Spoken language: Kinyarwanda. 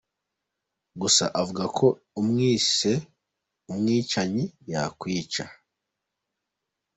Gusa avuga ko umwise umwicanyi yakwica!